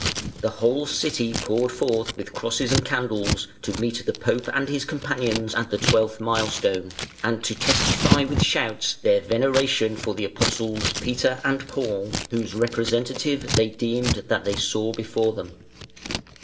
The whole city poured forth with crosses and candles to meet the Pope and his companions at the twelfth milestone, and to testify with shouts their veneration for the Apostles Peter and Paul, whose representative they deemed that they saw before them.